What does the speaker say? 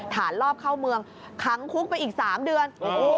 รอบเข้าเมืองค้างคุกไปอีก๓เดือน